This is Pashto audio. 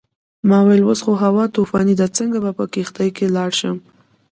ما وویل اوس خو هوا طوفاني ده څنګه به په کښتۍ کې لاړ شم.